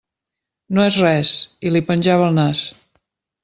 No és res, i li penjava el nas.